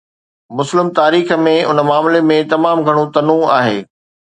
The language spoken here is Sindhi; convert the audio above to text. مسلم تاريخ ۾ ان معاملي ۾ تمام گهڻو تنوع آهي.